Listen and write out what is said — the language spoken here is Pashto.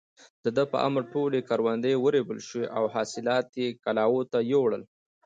د ده په امر ټولې کروندې ورېبل شوې او حاصلات يې کلاوو ته يووړل.